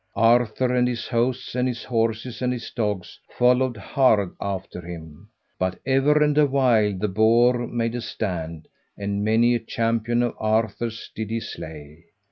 Arthur and his hosts, and his horses, and his dogs followed hard after him. But ever and awhile the boar made a stand, and many a champion of Arthur's did he slay.